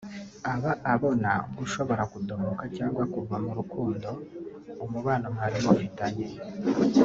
aba abona ushobora kudohoka cyangwa kuva mu rukundo/umubano mwari mufitanye